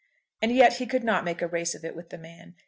And yet he could not make a race of it with the man.